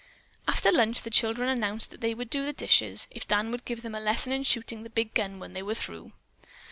After lunch the children announced that they would do up the dishes if Dan would give them a lesson in shooting the big gun when they were through.